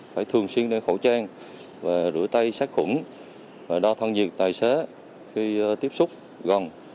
phải thường xuyên đeo khẩu trang và rửa tay sát khuẩn và đo thân nhiệt tài xế khi tiếp xúc gần